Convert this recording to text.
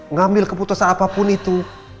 ngambil keputusan apapun itu